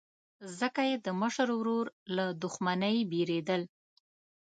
ځکه یې د مشر ورور له دښمنۍ بېرېدل.